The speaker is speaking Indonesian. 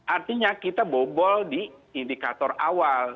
artinya kita bobol di indikator awal